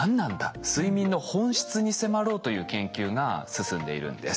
睡眠の本質に迫ろうという研究が進んでいるんです。